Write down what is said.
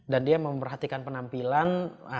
dan dia mau memperhatikan penampilan